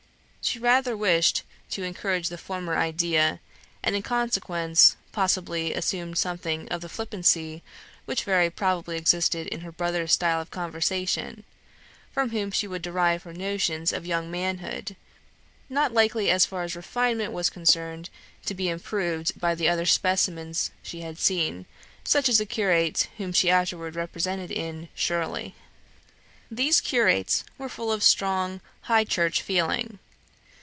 She rather wished to encourage the former idea; and, in consequence, possibly, assumed something of the flippancy which very probably existed in her brother's style of conversation, from whom she would derive her notions of young manhood, not likely, as far as refinement was concerned, to be improved by the other specimens she had seen, such as the curates whom she afterwards represented in "Shirley." These curates were full of strong, High Church feeling.